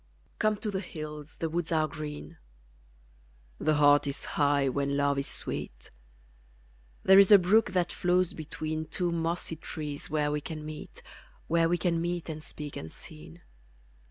Come to the hills, the woods are green The heart is high when LOVE is sweet There is a brook that flows between Two mossy trees where we can meet, Where we can meet and speak unseen.